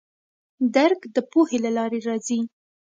درک د پوهې له لارې راځي.